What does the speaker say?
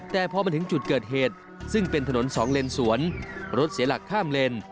แต่พอมาถึงจุดเกิดเหตุซึ่งเป็นถนนสองเลนสวนรถเสียหลักข้ามเลน